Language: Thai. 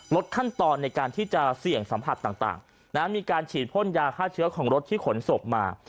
ลดขั้นตอนในการที่จะเสี่ยงสัมผัสต่างมีการฉีดพ่นยาฆ่าเชื้อของรถที่ขนศพมา